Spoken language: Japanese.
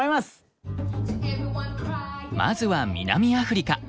まずは南アフリカ。